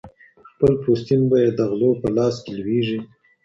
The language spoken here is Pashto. خپل پوستين به يې د غلو په لاس كي لوېږي